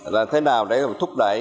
là thế nào để thúc đẩy